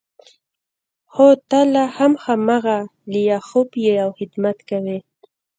خو ته لا هم هماغه لیاخوف یې او خدمت کوې